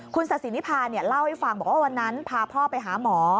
คุณศาสินิพาเล่าให้ฟังบอกว่าวันนั้นพาพ่อไปหาหมอ